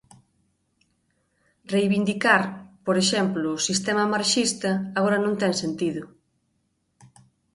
Reivindicar, por exemplo, o sistema marxista agora non ten sentido.